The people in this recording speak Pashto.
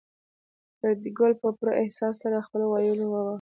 فریدګل په پوره احساس سره خپل وایلون واهه